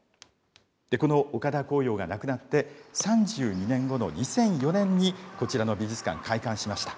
この岡田紅陽が亡くなって３２年後の２００４年に、こちらの美術館、開館しました。